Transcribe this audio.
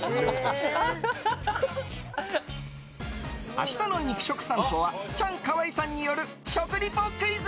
明日の肉食さんぽはチャンカワイさんによる食リポクイズ。